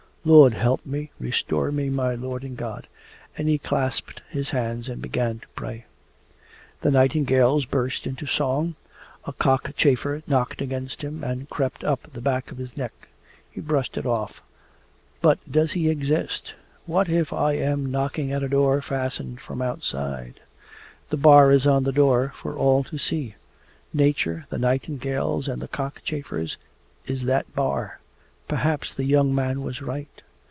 'Lord, help me! Restore me, my Lord and God!' And he clasped his hands and began to pray. The nightingales burst into song, a cockchafer knocked against him and crept up the back of his neck. He brushed it off. 'But does He exist? What if I am knocking at a door fastened from outside? The bar is on the door for all to see. Nature the nightingales and the cockchafers is that bar. Perhaps the young man was right.